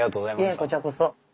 いえこちらこそ。